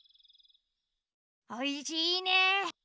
おいしいね。